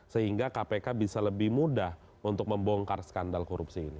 sehingga kpk bisa lebih mudah untuk membongkar skandal korupsi ini